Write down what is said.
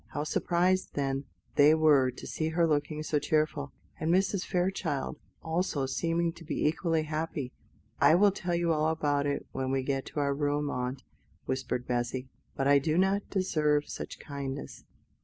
How surprised, then, they were to see her looking so cheerful, and Mrs. Fairchild also seeming to be equally happy. "I will tell you all about it when we get to our room, aunt," whispered Bessy; "but I do not deserve such kindness.